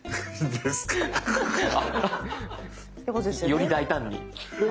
より大胆に。